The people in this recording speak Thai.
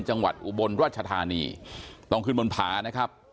จังหวัดอุบลรวชธานีต้องขึ้นบนผานะครับ